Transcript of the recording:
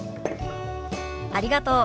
ありがとう。